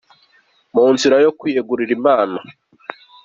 mu nzira yo kwiyegurira Imana